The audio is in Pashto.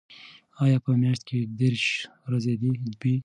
آیا په میاشت کې دېرش ورځې وي؟